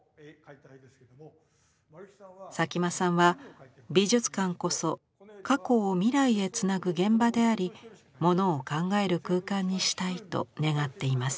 佐喜眞さんは美術館こそ過去を未来へつなぐ現場でありものを考える空間にしたいと願っています。